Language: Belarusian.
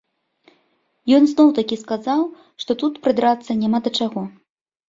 Ён зноў-такі сказаў, што тут прыдрацца няма да чаго.